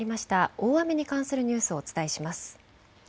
大雨に関するニュースをお伝えします。